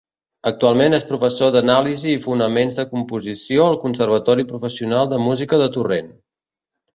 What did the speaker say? Actualment és professor d'Anàlisi i Fonaments de Composició al Conservatori Professional de Música de Torrent.